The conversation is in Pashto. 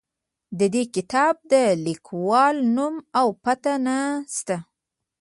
د دې کتاب د لیکوال نوم او پته نه شته.